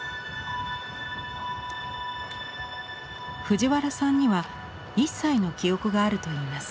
藤原さんには１歳の記憶があるといいます。